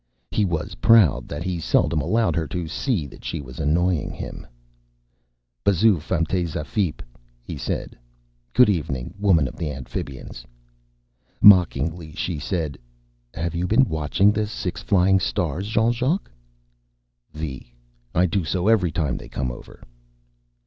He was proud that he seldom allowed her to see that she annoyed him. "B'zhu, fam tey zafeep," he said. "Good evening, woman of the Amphibians." Mockingly she said, "Have you been watching the Six Flying Stars, Jean Jacques?" "Vi. I do so every time they come over."